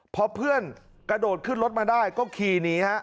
พอเพื่อนกระโดดขึ้นรถมาได้ก็ขี่หนีฮะ